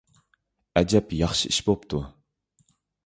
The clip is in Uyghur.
ئەجەب ياخشى ئىش بوپتۇ!